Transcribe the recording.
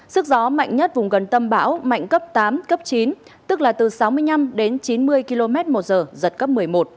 sức gió mạnh nhất vùng gần tâm bão mạnh cấp tám cấp chín tức là từ sáu mươi năm đến chín mươi km một giờ giật cấp một mươi một